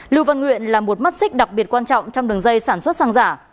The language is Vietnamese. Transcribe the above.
lưu văn nguyện là một mắt xích đặc biệt quan trọng trong đường dây sản xuất xăng giả